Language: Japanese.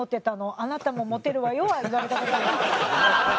あなたもモテるわよ」は言われた事ある。